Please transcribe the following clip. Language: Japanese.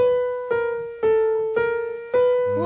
うわ。